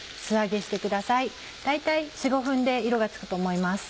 大体４５分で色がつくと思います。